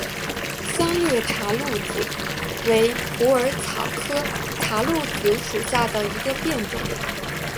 三裂茶藨子为虎耳草科茶藨子属下的一个变种。